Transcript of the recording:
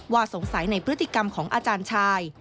สงสัยในพฤติกรรมของอาจารย์ชาย